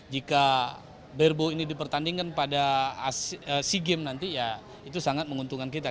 jika barebo ini dipertandingkan pada sea games nanti ya itu sangat menguntungkan kita